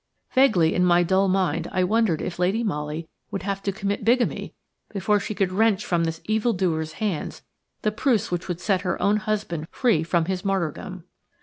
Vaguely in my dull mind I wondered if Lady Molly would have to commit bigamy before she could wrench from this evildoer's hands the proofs that would set her own husband free from his martyrdom.